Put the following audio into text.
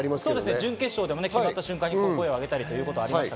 準決勝でも決まった瞬間に声を上げていました。